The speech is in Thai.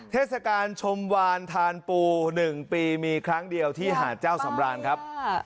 เทศกาลชมวานทานปู๑ปีมีครั้งเดียวที่หาดเจ้าสำราญครับ